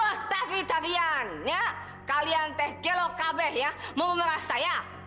eh tapi tapi ya kalian teh gelokabeh ya mau memerah saya